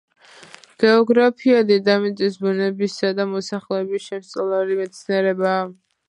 გეოგრაფია დედამიწის ბუნებისა და მოსახლეობის შემსწავლელი მეცნიერებაა.